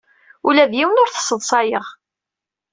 Ula d yiwen ur t-sseḍsayeɣ.